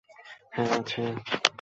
হ্যা, আছে!